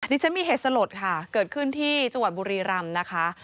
ดิฉันมีเหตุสลดค่ะเกิดขึ้นที่จังหวัดบุรีรำนะคะ